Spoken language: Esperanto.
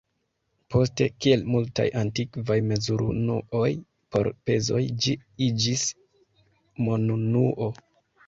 Poste, kiel multaj antikvaj mezurunuoj por pezoj, ĝi iĝis monunuo.